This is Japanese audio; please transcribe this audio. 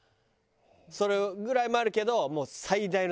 それぐらいもあるけど。